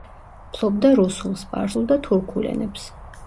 ფლობდა რუსულ, სპარსულ და თურქულ ენებს.